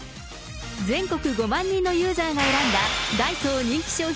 全国５万人のユーザーが選んだダイソー人気商品